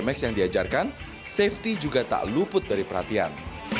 tapi juga di ajarkan safety juga tak luput dari perhatian